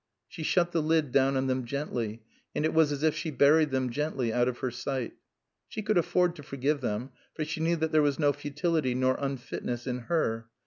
She shut the lid down on them gently, and it was as if she buried them gently out of her sight. She could afford to forgive them, for she knew that there was no futility nor unfitness in her.